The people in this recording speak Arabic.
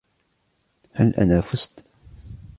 هل أنا فُزت ؟